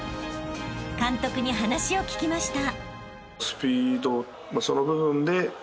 ［監督に話を聞きました］